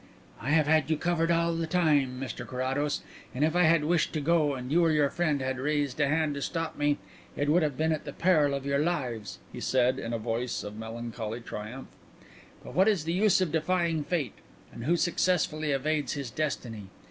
"I have had you covered all the time, Mr Carrados, and if I had wished to go and you or your friend had raised a hand to stop me, it would have been at the peril of your lives," he said, in a voice of melancholy triumph. "But what is the use of defying fate, and who successfully evades his destiny?